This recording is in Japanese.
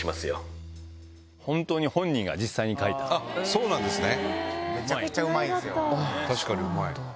そうなんですね。